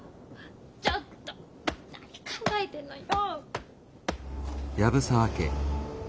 ちょっと何考えてるのよ！？